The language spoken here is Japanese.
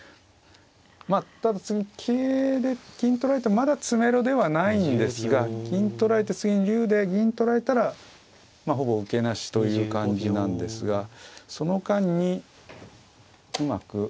まあただ次桂で金取られてもまだ詰めろではないんですが金取られて次竜で銀取られたらまあほぼ受けなしという感じなんですがその間にうまく。